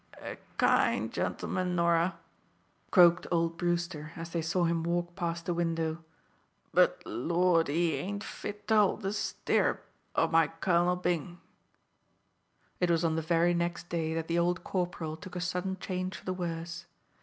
"A kind gentleman, Norah," croaked old Brewster, as they saw him walk past the window; "but, Lordy, he ain't fit to hold the stirrup o' my Colonel Byng!" It was on the very next day that the old corporal took a sudden change for the worse.